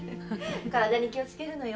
体に気を付けるのよ。